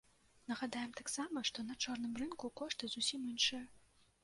Нагадаем таксама, што на чорным рынку кошты зусім іншыя.